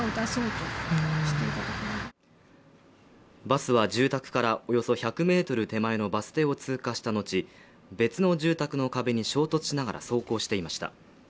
バスは住宅からおよそ１００ｍ手前のバス停を通過した後別の住宅の壁に衝突しながら走行していました